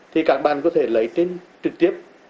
thì các bạn có thể lấy tên trực tiếp